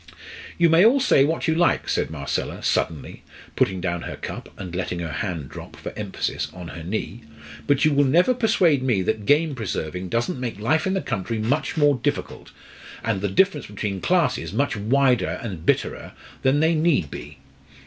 "You may all say what you like," said Marcella, suddenly, putting down her cup, and letting her hand drop for emphasis on her knee; "but you will never persuade me that game preserving doesn't make life in the country much more difficult, and the difference between classes much wider and bitterer, than they need be."